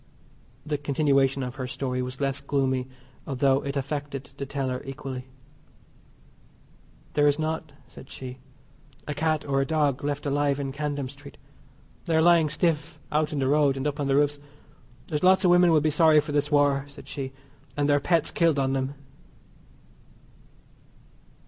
The continuation of her story was less gloomy although it affected the teller equally. "There is not," said she, "a cat or a dog left alive in Camden Street. They are lying stiff out in the road and up on the roofs. There's lots of women will be sorry for this war," said she, "and their pets killed on them."